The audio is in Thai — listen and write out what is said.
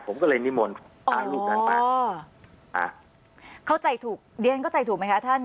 ผมก็เลยนิมนต์อ๋อเข้าใจถูกเดี๋ยวก็ใจถูกไหมคะท่าน